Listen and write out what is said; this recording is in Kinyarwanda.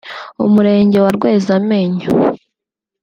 Umurenge wa Rwezamenyo